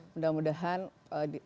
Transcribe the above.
mudah mudahan aparat polisi terus mendalami